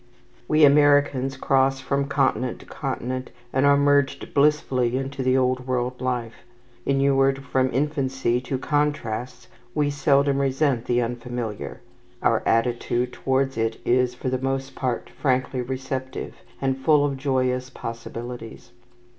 We Americans cross from continent to continent, and are merged blissfully into the Old World life. Inured from infancy to contrasts, we seldom resent the unfamiliar. Our attitude towards it is, for the most part, frankly receptive, and full of joyous possibilities.